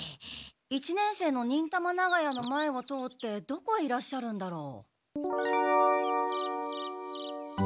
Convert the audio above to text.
一年生の忍たま長屋の前を通ってどこへいらっしゃるんだろう？